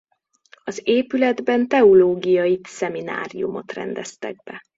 Az épületben teológiai szemináriumot rendeztek be.